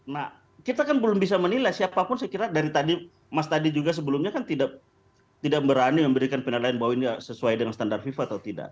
nah kita kan belum bisa menilai siapapun saya kira dari tadi mas tadi juga sebelumnya kan tidak berani memberikan penilaian bahwa ini sesuai dengan standar fifa atau tidak